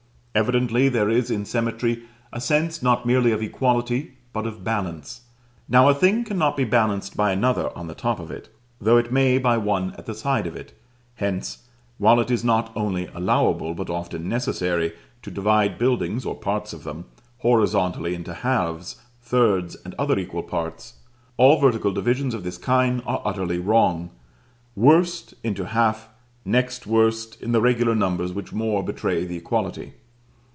Evidently there is in symmetry a sense not merely of equality, but of balance: now a thing cannot be balanced by another on the top of it, though it may by one at the side of it. Hence, while it is not only allowable, but often necessary, to divide buildings, or parts of them, horizontally into halves, thirds, or other equal parts, all vertical divisions of this kind are utterly wrong; worst into half, next worst in the regular numbers which more betray the equality.